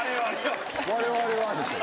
「我々は」。